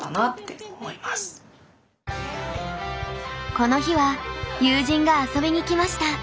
この日は友人が遊びに来ました。